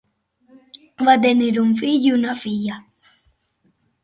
Va tenir un fill i una filla.